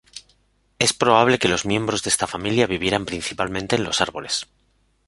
Es probable que los miembros de esta familia vivieran principalmente en los árboles.